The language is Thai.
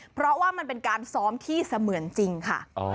เพราะว่ามันเป็นการซ้อมที่เสมือนจริงค่ะ